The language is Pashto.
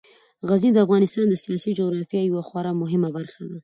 غزني د افغانستان د سیاسي جغرافیې یوه خورا مهمه برخه ده.